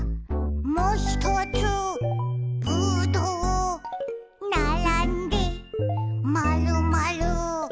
「もひとつぶどう」「ならんでまるまる」